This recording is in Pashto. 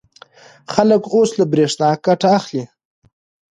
خلک اوس له برېښنا ګټه اخلي.